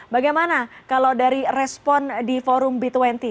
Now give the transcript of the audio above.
bagaimana kalau dari respon di forum b dua puluh